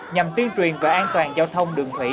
nhằm tuyên truyền về an toàn giao thông đường thủy